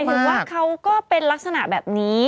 หรือว่าเขาก็เป็นลักษณะแบบนี้